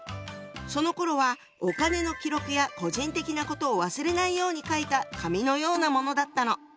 そのころはお金の記録や個人的なことを忘れないように書いた紙のようなものだったの。